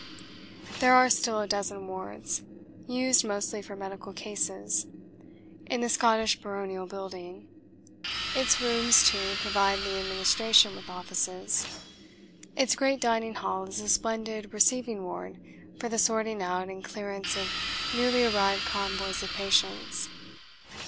There are still a dozen wards used mostly for medical cases in the Scottish baronial building. Its rooms, too, provide the Administration with offices. Its great Dining Hall is a splendid Receiving Ward for the sorting out and clearance of newly arrived convoys of patients.